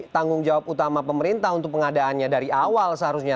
tanggung jawab utama pemerintah untuk pengadaannya dari awal seharusnya